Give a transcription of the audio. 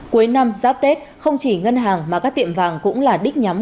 cuối năm giáp tết không chỉ ngân hàng mà các tiệm vàng cũng là đích nhắm